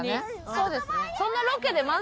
そうですね。